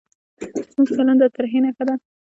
زموږ چلند د ترهې نښه ده.